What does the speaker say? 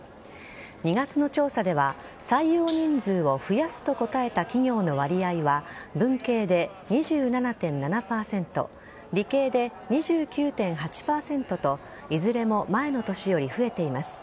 ２月の調査では採用人数を増やすと答えた企業の割合は文系で２７．７％理系で２９．８％といずれも前の年より増えています。